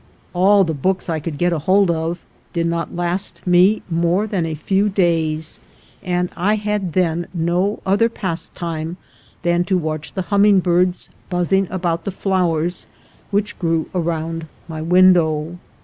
All the books I could get hold of did not last me more than a few days, and I had then no other pastime than to watch the humming birds buzzing about the flowers which grew around my window.